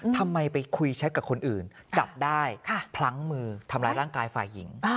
ทำไมไปคุยแชทกับคนอื่นจับได้พลั้งมือทำร้ายร่างกายฝ่ายหญิง